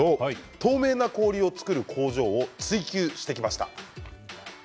透明な氷を作る工場を追求してきました。